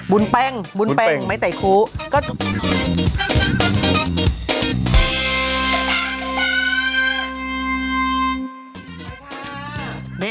บุญแป้งบุญแป้งไม้ไต่คลูก็